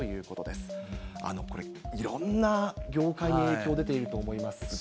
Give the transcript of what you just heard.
これ、いろんな業界に影響出ていると思います。